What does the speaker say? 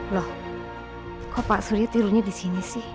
loh kok pak surya tidurnya di sini sih